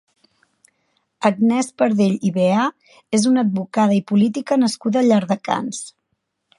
Agnès Pardell i Veà és una advocada i política nascuda a Llardecans.